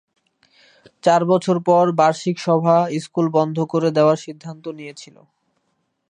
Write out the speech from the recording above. চার বছর পর, বার্ষিক সভা স্কুল বন্ধ করে দেওয়ার সিদ্ধান্ত নিয়েছিল।